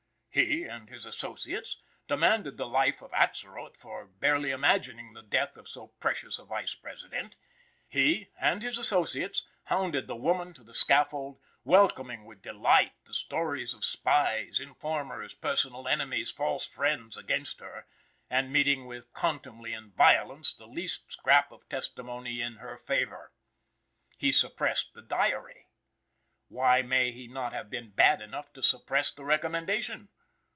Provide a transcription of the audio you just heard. He, and his associates, demanded the life of Atzerodt for barely imagining the death of so precious a Vice President. He, and his associates, hounded the woman to the scaffold, welcoming with delight the stories of spies, informers, personal enemies, false friends, against her, and meeting with contumely and violence the least scrap of testimony in her favor. He suppressed the "Diary." Why may he not have been bad enough to suppress the recommendation?